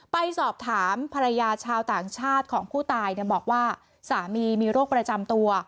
ไปสอบถามภรรยาชาวต่างชาติของผู้ตายบอกว่าสามีมีโรคประจำตัว